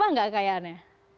nama enggak kayaannya